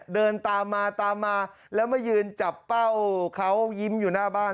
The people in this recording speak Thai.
เดินตามมาตามมาแล้วมายืนจับเป้าเขายิ้มอยู่หน้าบ้าน